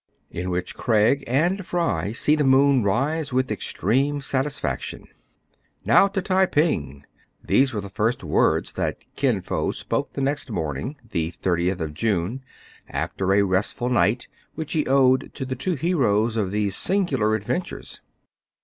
IN WHICH CRAIG AND FRY SEE THE MOON RISE WITH EXTREME SATISFACTION. " Now to the Tai ping !'* These were the first words that Kin Fo spoke the next morning, the 30th of June, after a rest ful night, which he owed to the two heroes of these singular adventures.